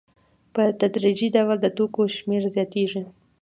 په تدریجي ډول د توکو شمېر زیاتېږي